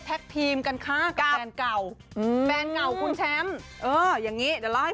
ทำไมเงียบจังเลย